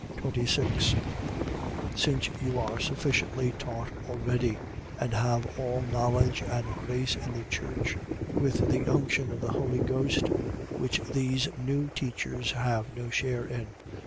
26), since you are sufficiently taught already, and have all knowledge and grace in the church, with the unction of the Holy Ghost; which these new teachers have no share in.